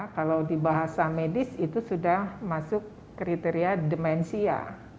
kalau di bahasa medis itu sudah masuk kriteria demensia